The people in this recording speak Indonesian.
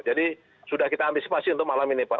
jadi sudah kita antisipasi untuk malam ini pak